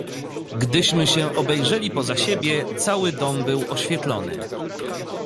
"Gdyśmy się obejrzeli poza siebie, cały dom był oświetlony."